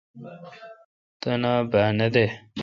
تنا با نہ دہ۔